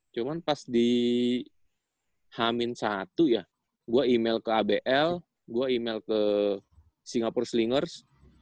cuman pas di h satu ya gua email ke abel gua email ke singapore slingers